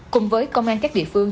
cùng với công an các địa phương